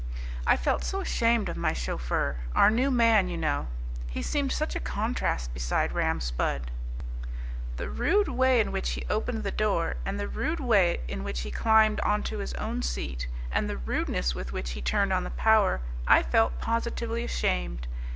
I felt so ashamed of my chauffeur, our new man, you know; he seemed such a contrast beside Ram Spudd. The rude way in which the opened the door, and the rude way in which he climbed on to his own seat, and the rudeness with which he turned on the power I felt positively ashamed.